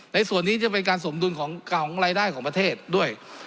ในส่วนนี้จะเป็นการสมดุลของรายได้ของประเทศด้วย